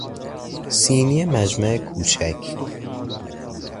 سینی مجمع کوچک